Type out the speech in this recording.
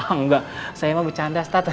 enggak saya mau bercanda